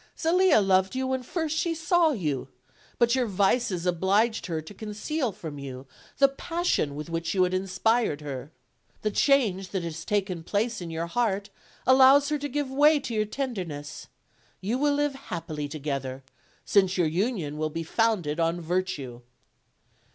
"Zelia loved you when first she saw you, but your vices obliged her to conceal from you the passion with which you had inspired her. The change that has taken place in your heart allows her to give way to her tenderness. You will live happily together, since your union will be founded on virtue."